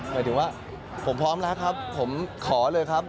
หมายถึงว่าผมพร้อมแล้วครับผมขอเลยครับ